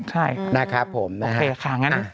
สวัสดีค่ะมาเรียบร้อยแล้ว